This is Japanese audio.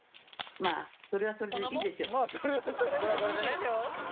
「まあそれはそれでいいでしょう」。